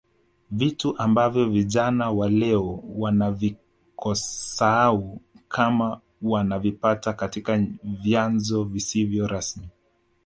Vitu ambavyo vijana wa leo wanavikosaau kama wanavipata katika vyanzo visivyo rasmi